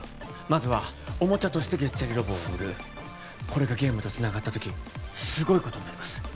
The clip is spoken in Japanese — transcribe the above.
まずはおもちゃとしてゲッチャリロボを売るこれがゲームとつながった時すごいことになります